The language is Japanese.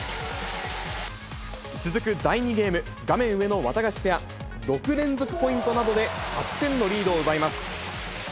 続く第２ゲーム、画面上のワタガシペア、６連続ポイントなどで８点のリードを奪います。